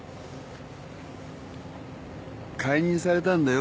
解任されたんだよ